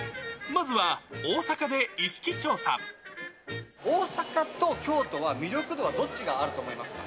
大阪と京都は、魅力度はどっちがあると思いますか？